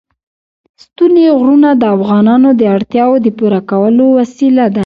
ستوني غرونه د افغانانو د اړتیاوو د پوره کولو وسیله ده.